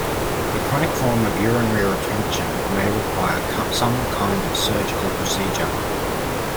The chronic form of urinary retention may require some type of surgical procedure.